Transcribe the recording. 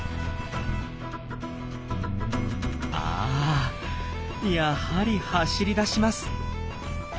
あやはり走り出します。